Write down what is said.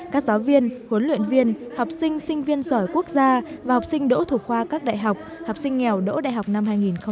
các giáo viên huấn luyện viên học sinh sinh viên giỏi quốc gia và học sinh đỗ thủ khoa các đại học học sinh nghèo đỗ đại học năm hai nghìn một mươi chín